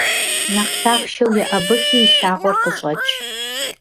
Нэхъ лъахъшэу еӀэбыхи и лъакъуэр къыщӀэч!